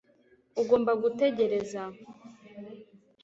ugomba gutegereza